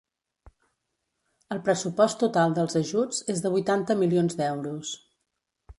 El pressupost total dels ajuts és de vuitanta milions d’euros.